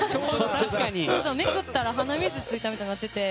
めくったら鼻水ついたみたいになってて。